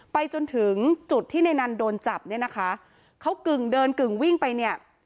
ไปจนถึงจุดที่ในนั้นโดนจับเนี่ยนะคะเขากึ่งเดินกึ่งวิ่งไปเนี่ย